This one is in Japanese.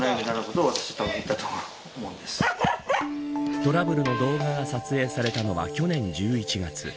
トラブルの動画が撮影されたのは去年１１月。